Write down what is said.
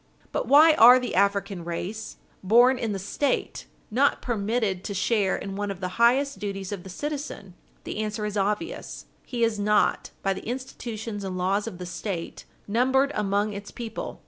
But why are the African race, born in the State, not permitted to share in one of the highest duties of the citizen? The answer is obvious; he is not, by the institutions and laws of the State, numbered among its people.